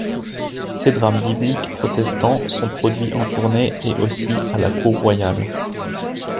Ces drames bibliques protestants sont produits en tournée et aussi à la cour royale.